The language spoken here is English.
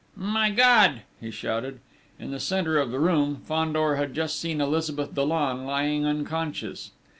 "My God!" he shouted. In the centre of the room, Fandor had just seen Elizabeth Dollon lying unconscious.